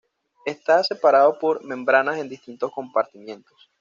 Está separado por membranas en distintos compartimientos.